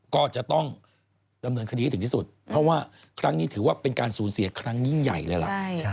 ก็จะต้องดำเนินคดีให้ถึงที่สุดเพราะว่าครั้งนี้ถือว่าเป็นการสูญเสียครั้งยิ่งใหญ่เลยล่ะ